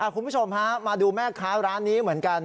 คุณผู้ชมฮะมาดูแม่ค้าร้านนี้เหมือนกัน